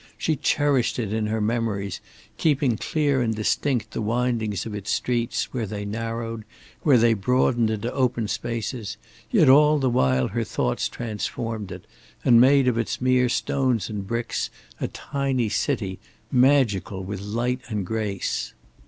She cherished it in her memories, keeping clear and distinct the windings of its streets, where they narrowed, where they broadened into open spaces; yet all the while her thoughts transformed it, and made of its mere stones and bricks a tiny city magical with light and grace.